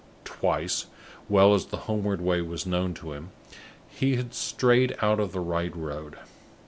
Twice, well as the homeward way was known to him, he had strayed out of the right road.